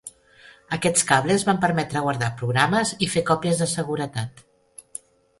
Aquests cables van permetre guardar programes i fer còpies de seguretat.